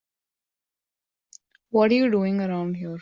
What are you doing around here?